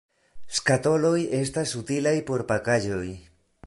Skatoloj estas utilaj por pakaĵoj.